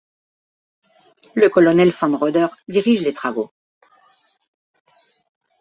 Le colonel von Röder dirige les travaux.